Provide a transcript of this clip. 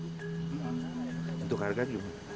untuk harga juga